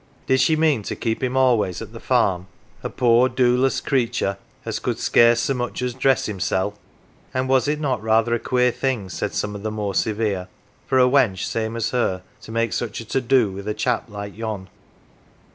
Did she mean to keep him always at the farm " a poor do less creature as could scarce so much as dress himseP ?" And was it not rather a queer thing, said some of the more severe, for a wench same as her to make such a to do with a chap like yon